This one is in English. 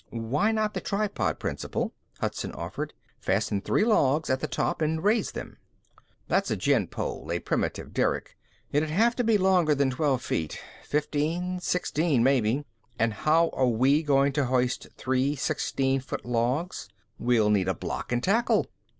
"Why not the tripod principle?" Hudson offered. "Fasten three logs at the top and raise them." "That's a gin pole, a primitive derrick. It'd still have to be longer than twelve feet. Fifteen, sixteen, maybe. And how are we going to hoist three sixteen foot logs? We'd need a block and tackle."